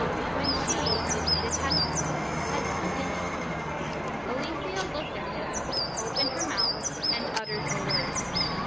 4. When she (the Tetrad) had spoken these things, Ale theia looked at him, opened her mouth, and uttered a word.